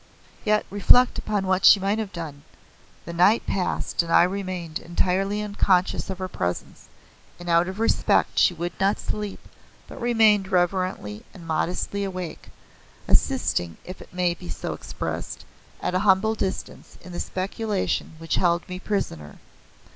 Yet reflect upon what she might have done! The night passed and I remained entirely unconscious of her presence, and out of respect she would not sleep but remained reverently and modestly awake, assisting, if it may so be expressed, at a humble distance, in the speculations which held me prisoner.